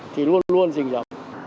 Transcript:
thì luôn luôn dình dọc